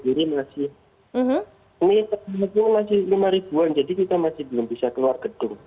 ini masih militer masih lima ribuan jadi kita masih belum bisa keluar gedung